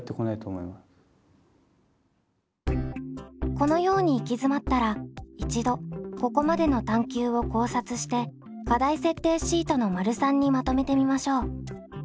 このように行き詰まったら一度ここまでの探究を考察して課題設定シートの③にまとめてみましょう。